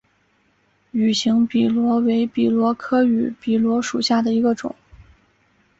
芋形笔螺为笔螺科芋笔螺属下的一个种。